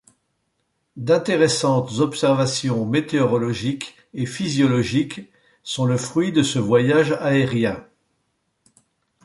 D'intéressantes observations météorologiques et physiologiques sont le fruit de ce voyage aérien.